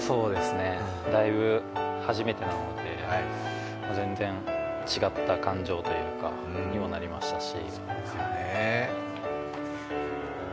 だいぶ初めてなので、全然違った感情にもなりましたし。